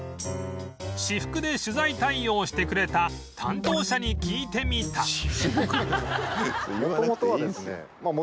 私服で取材対応してくれた担当者に聞いてみた